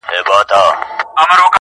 نه سازونه مي مطلب د نيمي شپې دي؛